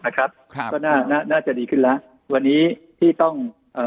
ครับครับก็น่าน่าจะดีขึ้นแล้ววันนี้ที่ต้องเอ่อ